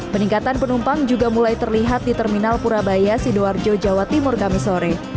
peningkatan penumpang juga mulai terlihat di terminal purabaya sidoarjo jawa timur kamisore